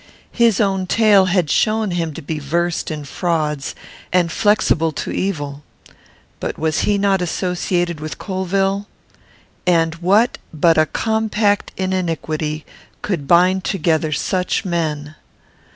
His own tale had shown him to be versed in frauds, and flexible to evil. But was he not associated with Colvill? and what, but a compact in iniquity, could bind together such men?